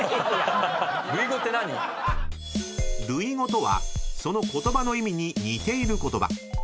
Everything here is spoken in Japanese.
［類語とはその言葉の意味に似ている言葉］